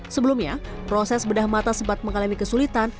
sebelumnya proses bedah mata sempat mengalami kesulitan